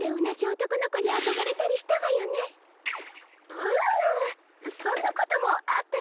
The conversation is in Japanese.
うんそんなこともあったっちゃね。